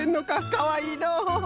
かわいいのう。